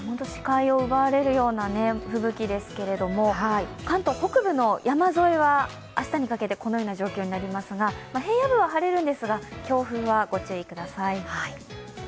視界を奪われるような吹雪ですけれども、関東北部の山沿いは明日にかけてこのような状況になりますが平野部は晴れるんですが、強風にはご注意ください。